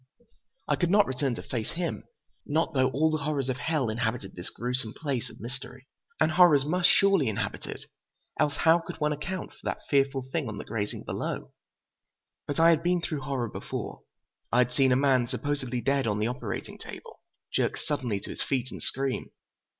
I could not return to face him, not though all the horrors of hell inhabited this gruesome place of mystery. And horrors must surely inhabit it, else how could one account for that fearful thing on the grating below? But I had been through horror before. I had seen a man, supposedly dead on the operating table, jerk suddenly to his feet and scream.